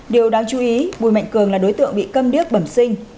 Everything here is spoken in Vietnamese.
điều đáng chú ý bùi mạnh cường là đối tượng bị cầm điếc bẩm sinh